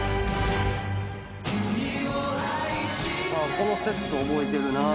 このセット覚えてるな。